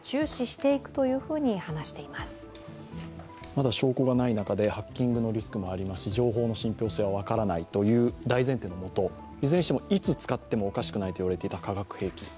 まだ証拠がない中で、ハッキングのリスクもありますし、情報の信ぴょう性は分からないという大前提のもといずれにしても、いつ使ってもおかしくないといわれていた化学兵器。